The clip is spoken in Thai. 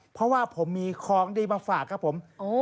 เพราะว่าผมมีของดีมาฝากครับผม